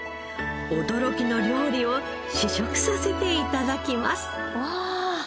驚きの料理を試食させて頂きます